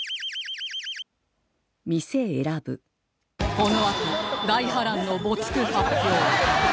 このあと大波乱の没句発表